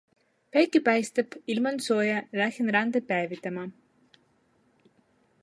Päike paistab, ilm on soe, lähen randa päevitama.